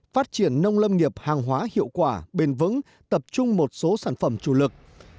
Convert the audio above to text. phát triển nông lâm nghiệp hàng hóa hiệu quả bền vững tập trung một số sản phẩm chủ lực